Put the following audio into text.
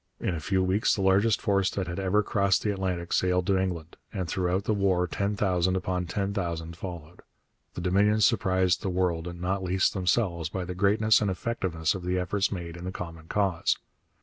In a few weeks the largest force that had ever crossed the Atlantic sailed to England, and throughout the war ten thousand upon ten thousand followed. The Dominions surprised the world, and not least themselves, by the greatness and effectiveness of the efforts made in the common cause.